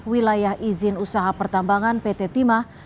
wilayah izin usaha pertambangan pt timah